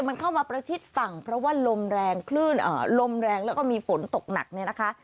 มันเข้ามาประชิดฝั่งเพราะว่าลมแรงคลื่นลมแรงแล้วก็มีฝนตกหนักเนี่ยนะคะ